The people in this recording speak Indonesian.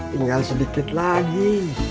tinggal sedikit lagi